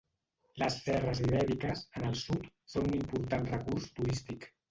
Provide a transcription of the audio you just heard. Les serres ibèriques, en el sud, són un important recurs turístic.